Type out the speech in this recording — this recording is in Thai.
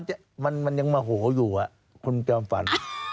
อาจารย์ยังร้อนมันยังมาโหอยู่อ่ะคุณจอมฟัน